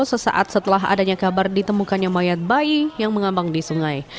sesaat setelah adanya kabar ditemukannya mayat bayi yang mengambang di sungai